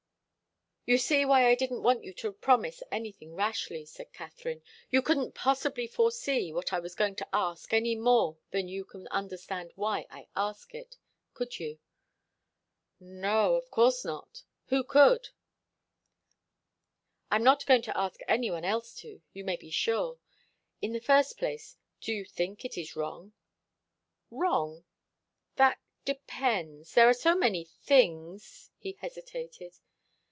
"You see why I didn't want you to promise anything rashly," said Katharine. "You couldn't possibly foresee what I was going to ask any more than you can understand why I ask it. Could you?" "No. Of course not. Who could?" "I'm not going to ask any one else to, you may be sure. In the first place, do you think it wrong?" "Wrong? That depends there are so many things " he hesitated.